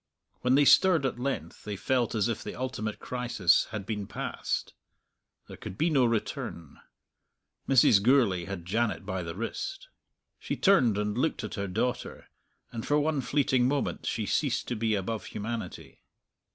When they stirred at length they felt as if the ultimate crisis had been passed; there could be no return. Mrs. Gourlay had Janet by the wrist. She turned and looked at her daughter, and for one fleeting moment she ceased to be above humanity.